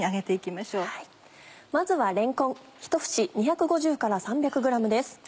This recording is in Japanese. まずはれんこん１節２５０から３００ｇです。